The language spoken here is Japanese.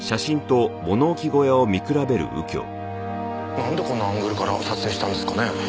なんでこんなアングルから撮影したんですかね？